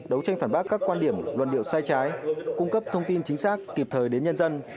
đấu tranh phản bác các quan điểm luận điệu sai trái cung cấp thông tin chính xác kịp thời đến nhân dân